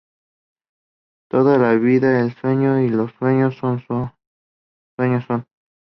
Toda la vida es sueño, y los sueños, sueños son